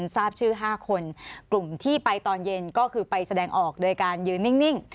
ทราบชื่อ๕คนกลุ่มที่ไปตอนเย็นก็คือไปแสดงออกโดยการยืนนิ่ง